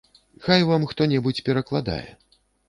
Хай вам хто-небудзь перакладае.